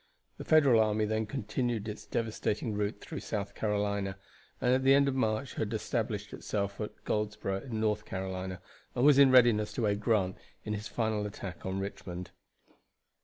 The Federal army then continued its devastating route through South Carolina, and at the end of March had established itself at Goldsboro, in North Carolina, and was in readiness to aid Grant in his final attack on Richmond.